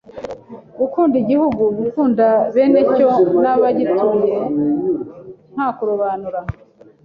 Gukunda Igihugu: gukunda benecyo n’abagituye ntakurobanura